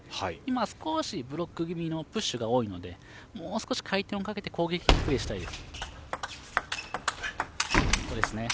少しブロック気味のプッシュが多いので回転をかけて攻撃的なプレーしたいです。